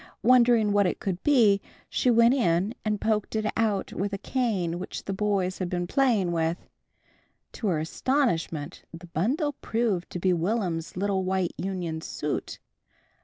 Wondering what it could be, she went in and poked it out with a cane which the boys had been playing with. To her amazement the bundle proved to be Will'm's little white union suit.